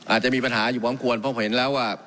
อาจจะมีปัญหาอยู่พร้อมควรเพราะเห็นแล้วว่า